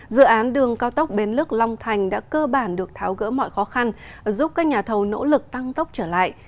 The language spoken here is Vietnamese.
dự án đường cao tốc bến lức long thành đã cơ bản được tháo gỡ mọi khó khăn giúp các nhà thầu nỗ lực tăng tốc trở lại